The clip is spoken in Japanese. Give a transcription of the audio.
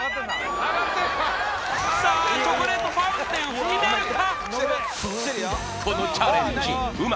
さあチョコレートファウンテン噴き出るか？